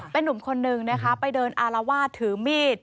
เป็นนุ่มคนนึงนะคะไปเดินอารวาสถือมีด